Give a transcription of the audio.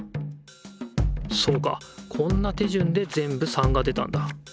そうかこんな手順でぜんぶ３が出たんだ。